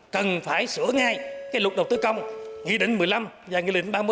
cần phải sửa ngay cái luật đầu tư công nghị định một mươi năm và nghị định ba mươi